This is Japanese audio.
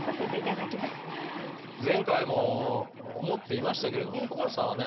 前回も思っていましたけれども久保田さんはね